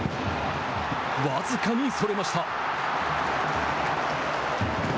僅かにそれました。